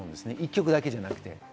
１曲だけじゃなくて。